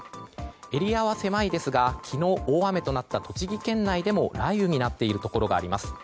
エリアは狭いですが昨日、大雨となった栃木県内でも雷雨になっているところがあります。